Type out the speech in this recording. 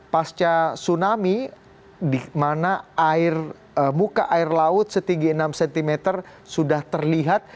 pasca tsunami di mana muka air laut setinggi enam cm sudah terlihat